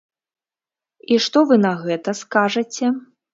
І што вы на гэта скажаце?